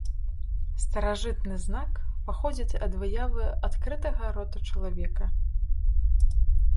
Старажытны знак паходзіць ад выявы адкрытага рота чалавека.